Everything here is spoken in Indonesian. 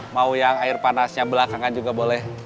mau yang air panasnya belakangan juga boleh